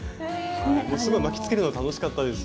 巻きつけるの楽しかったです。